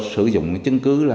sử dụng chứng cứ là